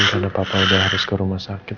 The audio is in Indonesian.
karena papa udah harus ke rumah sakit